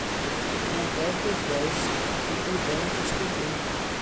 Nofel gyfoes, sy'n codi nifer o gwestiynau.